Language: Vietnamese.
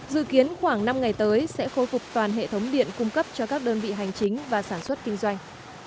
dự kiến khoảng năm ngày tới sẽ khôi phục toàn hệ thống điện cung cấp cho các đơn vị hành chính và sản xuất kinh doanh